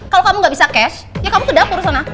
kalau kamu gak bisa cash ya kamu ke dapur sana